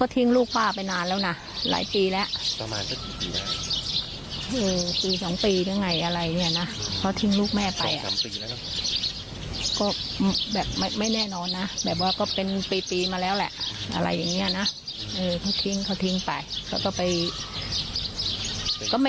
แต่เค้ายังคุยกับลูกแม่อยู่ไหม